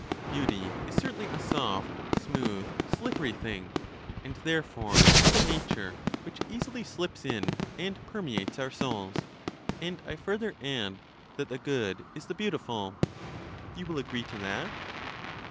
Beauty is certainly a soft, smooth, slippery thing, and there fore of a nature which easily slips in and permeates our souls. And I further add that the good is the beautiful. You will agree to that?